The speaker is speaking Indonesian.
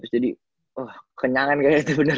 terus jadi wah kenyangan kayak gitu bener